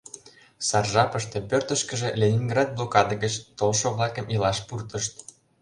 Сар жапыште пӧртышкыжӧ Ленинград блокада гыч толшо-влакым илаш пуртышт.